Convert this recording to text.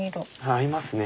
合いますね。